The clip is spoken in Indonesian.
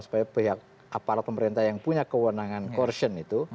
supaya pihak aparat pemerintah yang punya kewenangan corsion itu